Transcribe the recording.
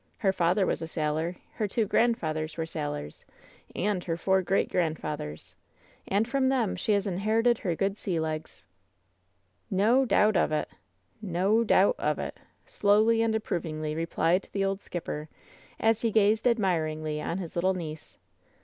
Her father was a sailor, her two grandfathers were sailors, and her four great grandfathers. And from them she has inherited her good sea legs." 62 WHEN SHADOWS DEE "No — doubt — of — it. No — doubt — of — it," slowly and approvingly replied the old skipper, as he gazed ad miringly on his little niece.